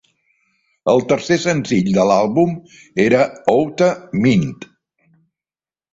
El tercer senzill de l'àlbum era "Outta Mind".